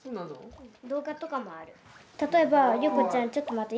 例えばゆうこちゃんちょっと待って。